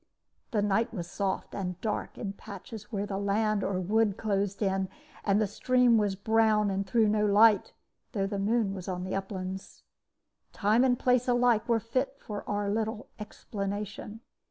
"The night was soft, and dark in patches where the land or wood closed in; and the stream was brown and threw no light, though the moon was on the uplands. Time and place alike were fit for our little explanation.